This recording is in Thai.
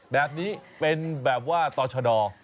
แบบนี้เป็นแบบว่าต่อชะดอ